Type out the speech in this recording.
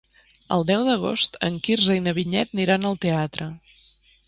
El deu d'agost en Quirze i na Vinyet aniran al teatre.